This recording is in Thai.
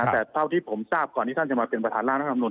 แต่เท่าที่ผมทราบก่อนที่ท่านจะมาเป็นประธานร่างรัฐธรรมนุน